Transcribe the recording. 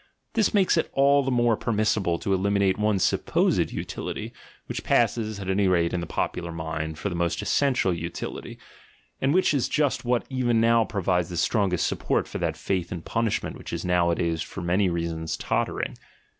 This makes it all the more permissible to eliminate one supposed utility, which passes, at any rate in the popular mind. for its most essential utility, and which is just what even now provides the strongest support for that faith in pun ishment which is nowadays for many reasons tottering.